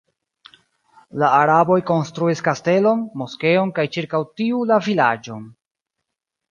La araboj konstruis kastelon, moskeon kaj ĉirkaŭ tiu la vilaĝon.